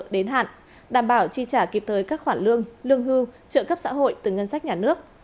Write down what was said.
đảm bảo chi trả kịp tới các khoản lương lương hưu trợ cấp xã hội từ ngân sách nhà nước